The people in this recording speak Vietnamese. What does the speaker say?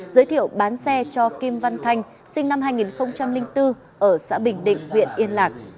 giới thiệu bán xe cho kim văn thanh sinh năm hai nghìn bốn ở xã bình định huyện yên lạc